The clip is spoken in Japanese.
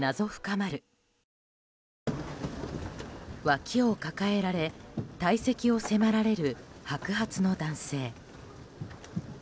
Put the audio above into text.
脇を抱えられ退席を迫られる白髪の男性。